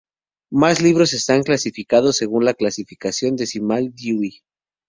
Los libros están clasificados según la Clasificación Decimal Dewey.